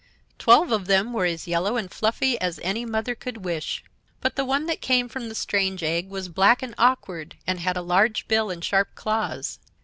"Twelve of them were as yellow and fluffy as any mother could wish. But the one that came from the strange egg was black and awkward, and had a large bill and sharp claws.